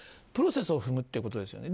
プロセスを踏むということです。